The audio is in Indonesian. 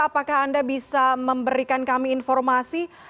apakah anda bisa memberikan kami informasi